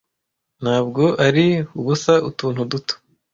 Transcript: ntabwo ari ubusa utuntu duto